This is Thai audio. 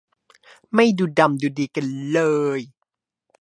ไม่ดูดำดูดีกันเลย